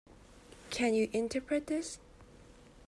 Can you interpret this?